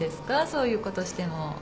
そういうことしても。